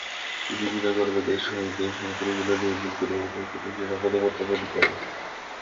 তিনি বীরগর্বে দেশ হইতে শত্রুকুল নির্মূল করিয়া উদয়পুরে নিরাপদে প্রত্যাবর্তন করিলেন।